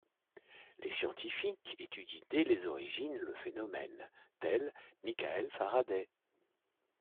Les scientifiques étudient dès les origines le phénomène, tel Michael Faraday.